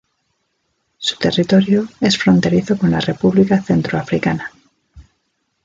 Su territorio es fronterizo con la República Centroafricana.